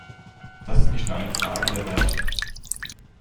Das ist nicht nur eine Frage der Werte.